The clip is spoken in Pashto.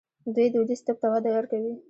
دوی دودیز طب ته وده ورکوي.